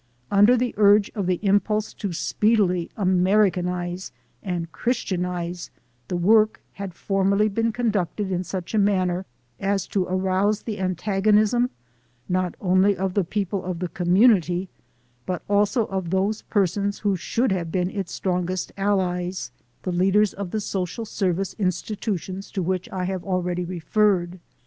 Under the urge of the impulse to speedily "Americanize" and "Christianize," the work had formerly been conducted in such a manner as to arouse the antagonism not only of the people of the community, but also of those persons who should have been its strongest allies, the leaders of the social 240 THE SOUL OF AN IMMIGRANT service institutions to which I have already referred.